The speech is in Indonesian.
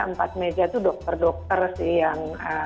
empat meja itu dokter dokter sih yang